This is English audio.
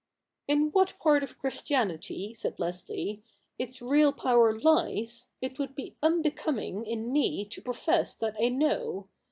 ' In what part of Christianity,' said Leslie, ' its real power lies, it would be unbecoming in me to profess that I know.